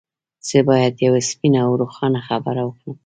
زه بايد يوه سپينه او روښانه خبره وکړم.